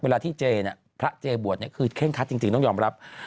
เวลาที่พระเจบวดคือเคร่งขัดจริงต้องยอมรับ